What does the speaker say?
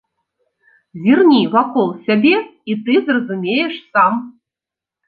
Зірні вакол сябе, і ты зразумееш сам!